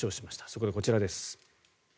そこでこちらです。